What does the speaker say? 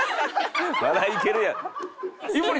「まだいけるやん」。